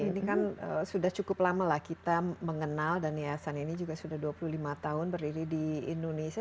ini kan sudah cukup lama lah kita mengenal dan yayasan ini juga sudah dua puluh lima tahun berdiri di indonesia